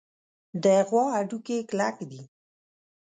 د غوا هډوکي کلک دي.